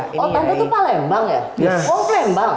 oh tante tuh palembang ya